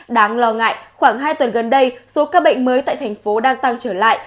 đáng lo ngại khoảng hai tuần gần đây số ca bệnh mới tại thành phố đang tăng trở lại